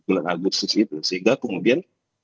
bulan agustus itu sehingga kemudian